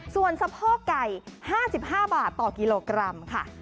ส่วนสะโพกไก่๕๕บาทต่อกิโลกรัมค่ะ